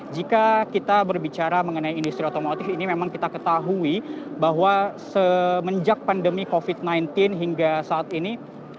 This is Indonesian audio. jika kita berbicara mengenai industri otomotif ini memang kita ketahui bahwa semenjak pandemi covid sembilan belas hingga saat ini